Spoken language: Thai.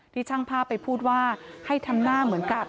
ช่างภาพไปพูดว่าให้ทำหน้าเหมือนกับ